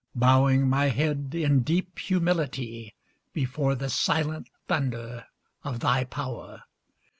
Bowing my head in deep humility Before the silent thunder of thy power.